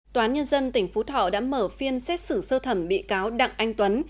tòa án nhân dân tỉnh phú thọ đã mở phiên xét xử sơ thẩm bị cáo đặng anh tuấn